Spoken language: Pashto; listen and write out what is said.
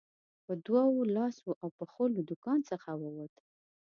په دوو لاسو او پښو له دوکان څخه ووت.